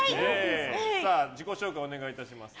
自己紹介、お願いいたします。